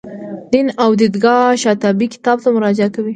دین از دیدګاه شاطبي کتاب ته مراجعه وکړئ.